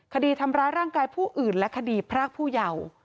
คดีทำร้ายร่างกายผู้อื่นและคดีพรากผู้เยาว์